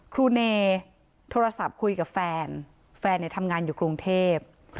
ครูเนโทรศัพท์คุยกับแฟนแฟนทำงานอยู่กรุงเทพ